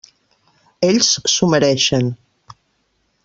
Ells s'ho mereixen.